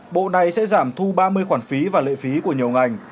bộ này sẽ giảm thu ba mươi khoản phí và lệ phí của nhiều ngành